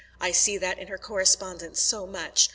I see that in her correspondence so much.